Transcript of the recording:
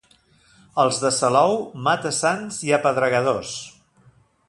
Els de Salou, mata-sants i apedregadors.